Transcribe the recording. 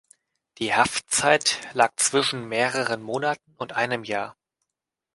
Die Haftzeit lag zwischen mehreren Monaten und einem Jahr.